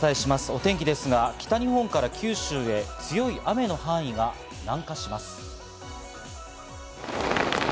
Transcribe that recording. お天気ですが、北日本から九州へ、強い雨の範囲が南下します。